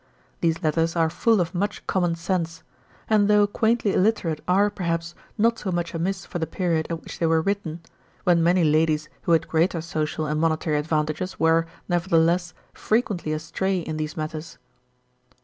These letters are full of much common sense, and though quaintly illiterate are, perhaps, not so much amiss for the period at which they were written, when many ladies who had greater social and monetary advantages were, nevertheless, frequently astray in these matters.